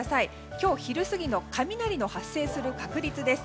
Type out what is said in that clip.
今日、昼過ぎの雷の発生する確率です。